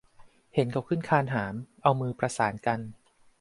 เห็นเขาขึ้นคานหาม เอามือประสานก้น